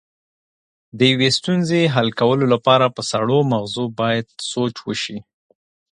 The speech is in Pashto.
د یوې ستونزې حل کولو لپاره په سړو مغزو باید سوچ وشي.